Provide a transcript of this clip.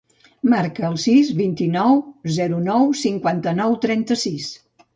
Marca el sis, vint-i-nou, zero, nou, cinquanta-nou, trenta-sis.